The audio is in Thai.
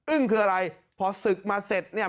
คืออะไรพอศึกมาเสร็จเนี่ย